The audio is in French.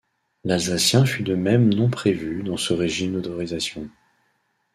L'alsacien fut de même non prévu dans ce régime d'autorisation.